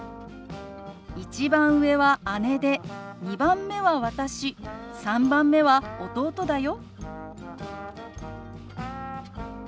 「１番上は姉で２番目は私３番目は弟だよ」。